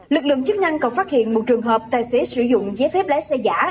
lực lượng chức năng còn phát hiện một trường hợp tài xế sử dụng giấy phép lái xe giả